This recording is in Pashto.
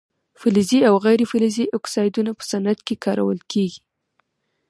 فلزي او غیر فلزي اکسایدونه په صنعت کې کارول کیږي.